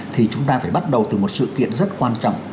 thì chúng ta phải bắt đầu từ một sự kiện rất quan trọng